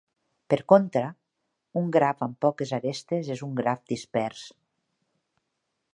Per contra, un graf amb poques arestes és un graf dispers.